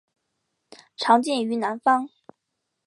常见于南方。